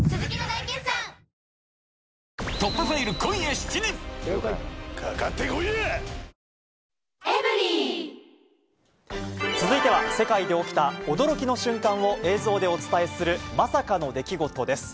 シュワー帰れば「金麦」ドーン！続いては、世界で起きた驚きの瞬間を映像でお伝えする、まさかの出来事です。